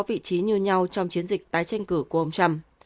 vị trí như nhau trong chiến dịch tái tranh cử của ông trump